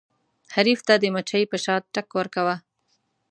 حریف ته د مچۍ په شان ټک ورکوه.